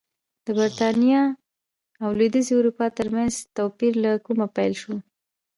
د برېټانیا او لوېدیځې اروپا ترمنځ توپیر له کومه پیل شو